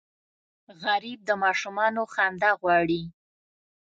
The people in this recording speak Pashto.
غریب د ماشومانو خندا غواړي